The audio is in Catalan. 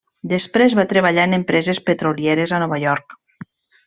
Després va treballar en empreses petrolieres a Nova York.